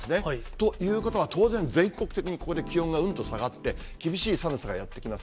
ということは当然、全国的にここで気温がうんと下がって、厳しい寒さがやって来ます。